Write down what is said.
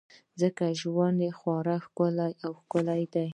ځکه ژوند خورا ښکلی او ښکلی دی.